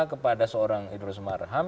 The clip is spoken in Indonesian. kepada seorang idrus marham